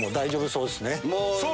そうですね！